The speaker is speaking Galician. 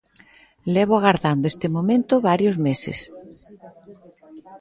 Levo agardando este momento varios meses.